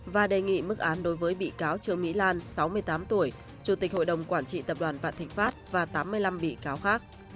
và đề nghị mức án đối với bị cáo trương mỹ lan sáu mươi tám tuổi chủ tịch hội đồng quản trị tập đoàn vạn thịnh pháp và tám mươi năm bị cáo khác